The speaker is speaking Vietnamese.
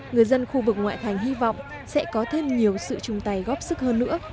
người dân khu vực ngoại thành hy vọng sẽ có thêm nhiều sự chung tay góp sức hơn nữa